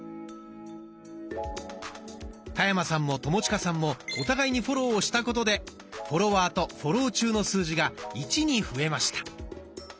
田山さんも友近さんもお互いにフォローをしたことでフォロワーとフォロー中の数字が「１」に増えました。